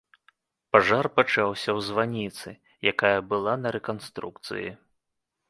Пажар пачаўся ў званіцы, якая была на рэканструкцыі.